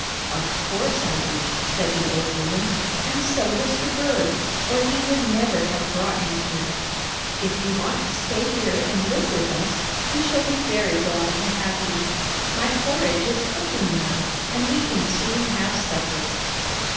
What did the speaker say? " Of course I do," said the old woman, " and so does the bird, or he would never have brought you here. If you want to stay here and live with us, we shall be very glad to have you. My porridge is cooking now, and we can soon have supper."